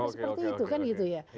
seperti itu kan gitu ya